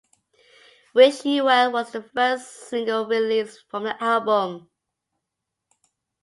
"Wish You Well" was the first single released from the album.